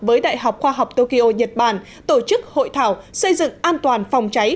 với đại học khoa học tokyo nhật bản tổ chức hội thảo xây dựng an toàn phòng cháy